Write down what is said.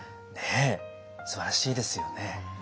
すばらしいですよね。